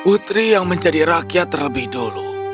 aku adalah putri yang menjadi rakyat terlebih dulu